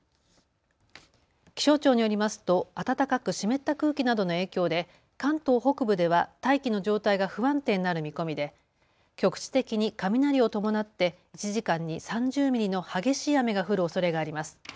気象庁によりますと暖かく湿った空気などの影響で関東北部では大気の状態が不安定になる見込みで局地的に雷を伴って１時間に３０ミリの激しい雨が降るおそれがあります。